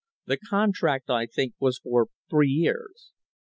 The contract, I think, was for three years."